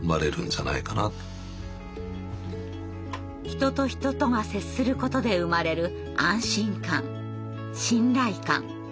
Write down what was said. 人と人とが接することで生まれる安心感信頼感。